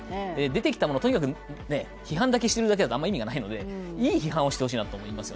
出てきたものをとにかく批判しているだけだとあまり意味がないのでいい批判をしてほしいなと思います。